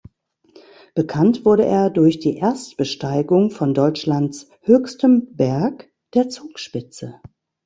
Bekannt wurde er durch die Erstbesteigung von Deutschlands höchstem Berg, der Zugspitze.